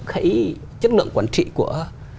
cái chất lượng quản trị của